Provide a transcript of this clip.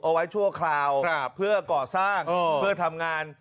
เอาไว้ชั่วคราวเพื่อก่อสร้างเพื่อทำงาน